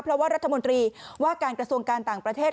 เพราะว่ารัฐมนตรีว่าการกระทรวงการต่างประเทศ